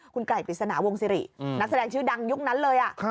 คุณไก่ปริศนาวงศิรินักแสดงชื่อดังยุคนั้นเลย